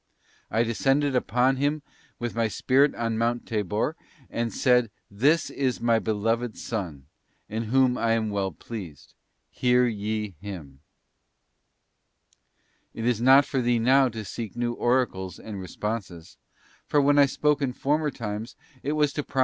I des cended upon Him with My Spirit on Mount Tabor and said, 'This is My Beloved Son, in whom I am well pleased, hear ye Him.' It is not for thee now to seek new oracles and responses; for when I spoke in former times it was to promise * Heb. i. 1. + S.